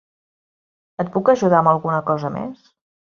El puc ajudar amb alguna ajuda més?